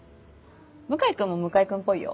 向井君も向井君っぽいよ。